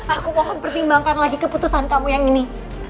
aku mohon pertimbangkan lagi keputusan kamu yang ini